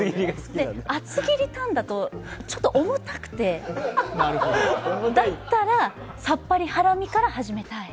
厚切りタンだとちょっと重たくてだったらさっぱりハラミから始めたい。